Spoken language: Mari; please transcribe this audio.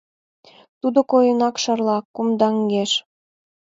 Тудо койынак шарла, кумдаҥеш.